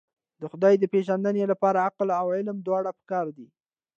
د خدای د پېژندنې لپاره عقل او علم دواړه پکار دي.